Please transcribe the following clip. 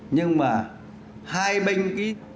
nhưng mà hai bên ký